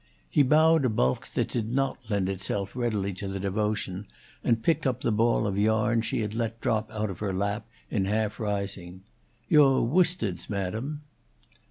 He bowed a bulk that did not lend itself readily to the devotion, and picked up the ball of yarn she had let drop out of her lap in half rising. "Yo' worsteds, madam."